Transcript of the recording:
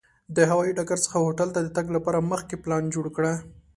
د هوایي ډګر څخه هوټل ته د تګ لپاره مخکې پلان جوړ کړه.